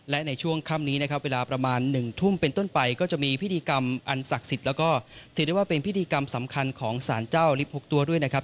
และในช่วงค่ำนี้นะครับเวลาประมาณ๑ทุ่มเป็นต้นไปก็จะมีพิธีกรรมอันศักดิ์สิทธิ์แล้วก็ถือได้ว่าเป็นพิธีกรรมสำคัญของสารเจ้าลิฟ๖ตัวด้วยนะครับ